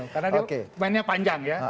karena dia mainnya panjang ya